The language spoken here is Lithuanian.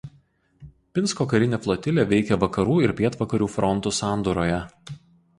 Pinsko karinė flotilė veikė Vakarų ir Pietvakarių frontų sandūroje.